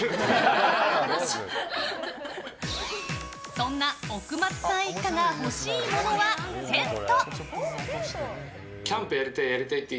そんな奥松さん一家が欲しいものはテント。